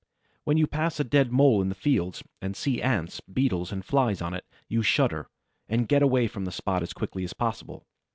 When you pass a dead Mole in the fields, and see Ants, Beetles and Flies on it, you shudder and get away from the spot as quickly as possible.